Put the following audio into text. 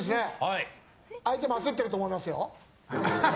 相手も焦ってると思いますよ。